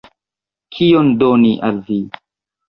Kion doni al vi?